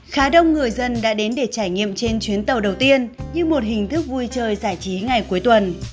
khá đông người dân đã đến để trải nghiệm trên chuyến tàu đầu tiên như một hình thức vui chơi giải trí ngày cuối tuần